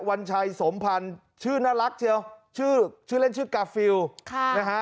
วันชัยสมพันธ์ชื่อน่ารักเชียวชื่อชื่อเล่นชื่อกาฟิลค่ะนะฮะ